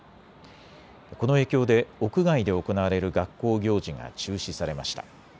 この影響で屋外で行われる学校行事が中止されました。